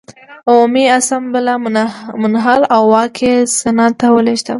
عمومي اسامبله منحل او واک یې سنا ته ولېږداوه.